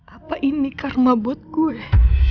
apa ini karma buat gue